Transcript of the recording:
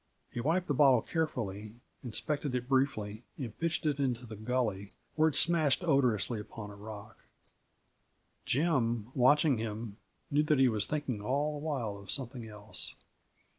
He wiped the bottle carefully, inspected it briefly, and pitched it into the gully, where it smashed odorously upon a rock. Jim, watching him, knew that he was thinking all the while of something else.